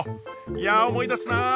いや思い出すなあ！